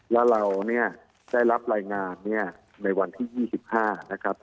แล้วเราเนี่ยได้รับรายงานเนี่ยในวันที่๒๕นะครับ